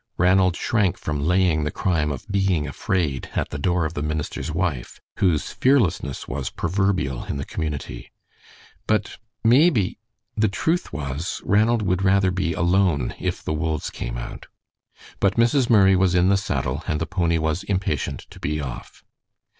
Ranald shrank from laying the crime of being afraid at the door of the minister's wife, whose fearlessness was proverbial in the community; "but maybe " The truth was, Ranald would rather be alone if the wolves came out. But Mrs. Murray was in the saddle, and the pony was impatient to be off.